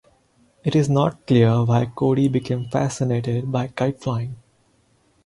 It is not clear why Cody became fascinated by kite flying.